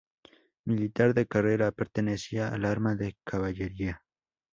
Militar de carrera, pertenecía al arma de caballería.